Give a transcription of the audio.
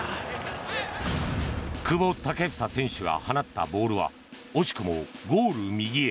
久保建英選手が放ったボールは惜しくもゴール右へ。